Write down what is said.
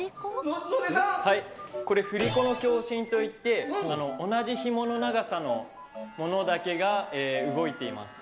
野出さんはいこれ振り子の共振といって同じひもの長さのものだけが動いています